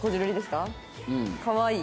かわいい。